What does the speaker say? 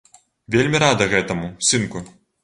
Вельмі рада гэтаму, сынку.